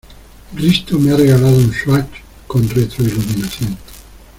Risto me ha regalado un Swatch con retroiluminación.